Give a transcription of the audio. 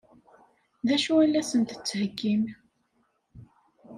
D acu i la sent-d-tettheggim?